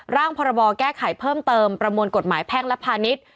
พรบแก้ไขเพิ่มเติมประมวลกฎหมายแพ่งและพาณิชย์